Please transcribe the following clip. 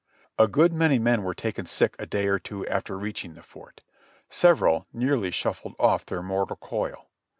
A good many men were taken sick a day or two after reaching the Fort ; several nearly shuffled off their mortal coil.